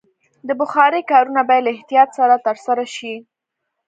د بخارۍ کارونه باید له احتیاط سره ترسره شي.